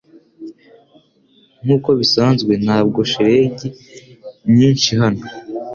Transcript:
Nkuko bisanzwe, ntabwo shelegi nyinshi hano.